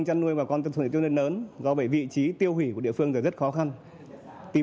giá lợn hơi xuống thấp